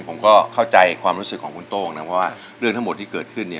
ผมก็เข้าใจความรู้สึกของคุณโต้งนะว่าเรื่องทั้งหมดที่เกิดขึ้นเนี่ย